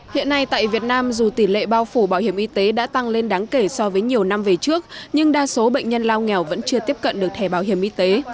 hiện nay tại việt nam dù tỷ lệ bao phủ bảo hiểm y tế đã tăng lên đáng kể so với nhiều năm về trước nhưng đa số bệnh nhân lao nghèo vẫn chưa tiếp cận được thẻ bảo hiểm y tế